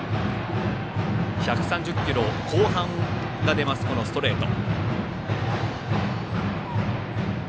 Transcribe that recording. １３０キロ後半が出ますストレート。